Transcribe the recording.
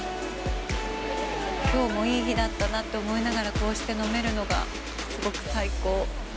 きょうもいい日だったなと思いながらこうして飲めるのが、すごく最高。